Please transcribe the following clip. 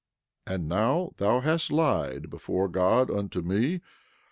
11:25 And now thou hast lied before God unto me.